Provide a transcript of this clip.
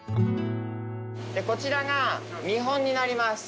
こちらが見本になります。